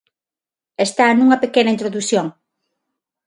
Está nunha pequena introdución.